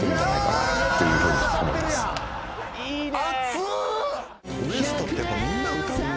いいね。